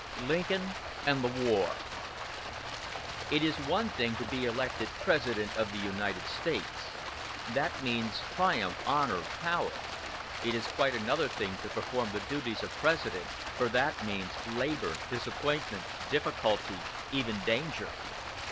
LINCOLN AND THE WAR It is one thing to be elected President of the United States, that means triumph, honor, power: it is quite another thing to perform the duties of President, for that means labor, disappointment, difficulty, even danger.